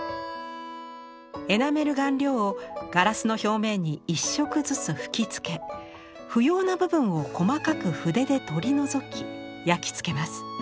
エナメル顔料をガラスの表面に１色ずつ吹きつけ不要な部分を細かく筆で取り除き焼き付けます。